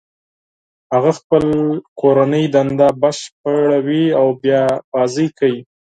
هغه خپل کورنۍ دنده بشپړوي او بیا لوبې کوي